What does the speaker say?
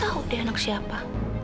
tahu deh anak siapa